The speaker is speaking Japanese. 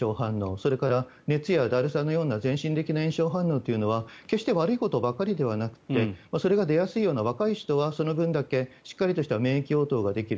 それから熱やだるさのような全身的な炎症反応というのは決して悪いことばかりではなくてそれが出やすいような若い人はその分だけしっかりとした免疫応答ができる。